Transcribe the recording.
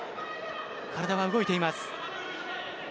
体は動いています。